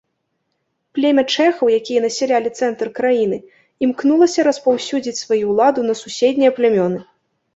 Племя чэхаў, якія насялялі цэнтр краіны, імкнулася распаўсюдзіць сваю ўладу на суседнія плямёны.